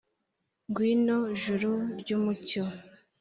ngwino juru ry’umucyo